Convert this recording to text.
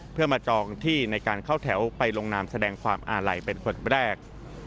เพื่อมาจองที่ในการเข้าแถวไปลงนามแสดงความอาลัยเป็นคนแรก